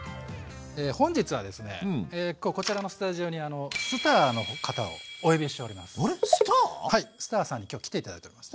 本日はですねこちらのスタジオにはいスターさんに今日来て頂いております。